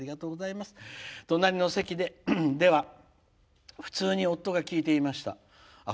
隣の席では普通に夫が聴いていました。